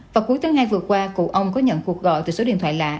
và cuối tuần ngay vừa qua cụ ông có nhận cuộc gọi từ số điện thoại lạ